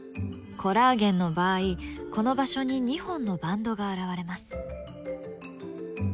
コラーゲンの場合この場所に２本のバンドが現れます。